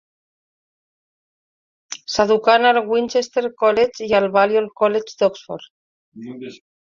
S'educà en el Winchester College i al Balliol College d'Oxford.